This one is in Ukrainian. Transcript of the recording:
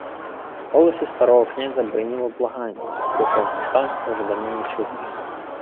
В голосі старого князя бриніло благання, якого Ждан уже давно не чув.